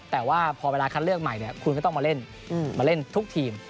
แต่ว่าพอเวลาคัดเลือกใหม่คุณก็ต้องมาเล่นมาเล่นทุกทีม